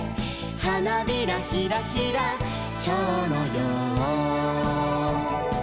「花びらひらひら蝶のよう」